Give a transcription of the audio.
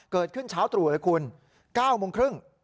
เกิดขึ้นเช้าตรู่เลยคุณ๙โมงครึ่ง